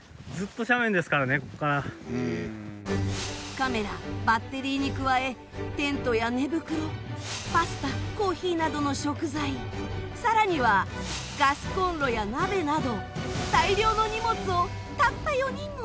カメラバッテリーに加えテントや寝袋パスタコーヒーなどの食材更にはガスコンロや鍋など大量の荷物をたった４人のスタッフで運ぶ。